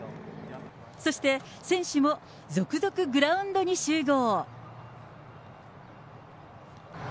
そして選手も続々、グラウンドに集合。